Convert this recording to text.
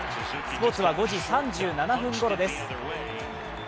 スポーツは５時３７分ごろです。